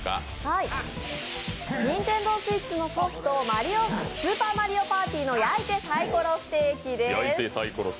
ＮｉｎｔｅｎｄｏＳｗｉｔｃｈのソフト「スーパーマリオパーティ」の「焼いてサイコロステーキ」です。